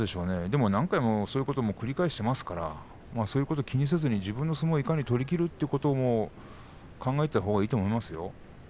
でも何回もそういうことを繰り返していますからそういうことを気にしないで自分の相撲を取りきるということを考えたほうがいいと思いますよ。